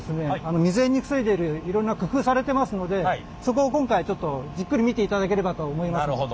未然に防いでいるいろんな工夫されてますのでそこを今回ちょっとじっくり見ていただければとは思いますので。